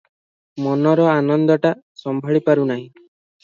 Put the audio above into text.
ମନର ଆନନ୍ଦଟା ସମ୍ଭାଳି ପାରୁ ନାହିଁ ।